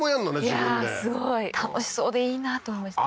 自分でいやーすごい楽しそうでいいなと思いました